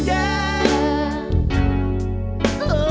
รักไม่ยอม